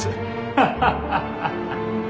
ハハハハハ。